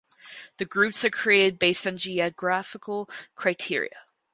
The groups are created based on geographical criteria.